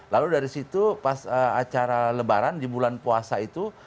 lalu dari situ pas acara lebaran di bulan puasa itu